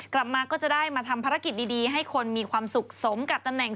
กลับมาก็จะได้มาทำภารกิจดีให้คนมีความสุขสมกับตำแหน่ง